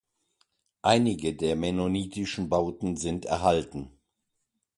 Einige der mennonitischen Bauten sind erhalten.